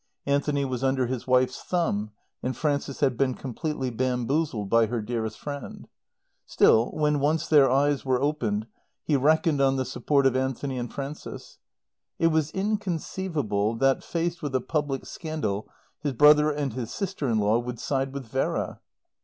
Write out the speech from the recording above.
Anthony was under his wife's thumb and Frances had been completely bamboozled by her dearest friend. Still, when once their eyes were opened, he reckoned on the support of Anthony and Frances. It was inconceivable, that, faced with a public scandal, his brother and his sister in law would side with Vera.